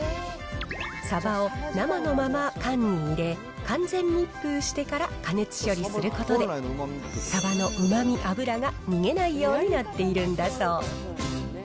サバを生のまま缶に入れ、完全密封してから加熱処理することで、サバのうまみ、脂が逃げないようになっているんだそう。